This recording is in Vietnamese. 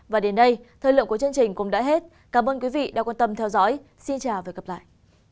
và đến đây thời lượng của chương trình cũng đã hết cảm ơn quý vị đã quan tâm theo dõi xin chào và hẹn gặp lại